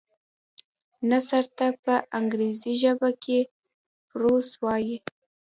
نثر ته په انګريزي ژبه کي Prose وايي.